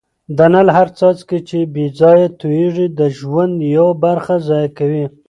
د نل هر څاڅکی چي بې ځایه تویېږي د ژوند یوه برخه ضایع کوي.